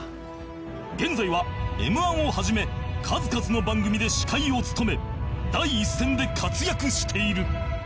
現在は『Ｍ−１』を始め数々の番組で司会を務め第一線で活躍している